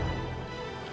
mesti kan dia fokus sama lo